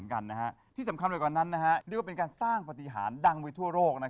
ยังมีคนสนใจเรื่องประหลัดขิตมากกว่าคุณอีกหรอฮะ